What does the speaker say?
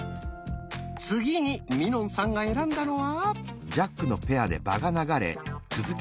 次にみのんさんが選んだのは？